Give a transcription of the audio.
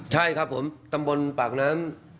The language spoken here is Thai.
ใช่ครับผมตำบลปากน้ำ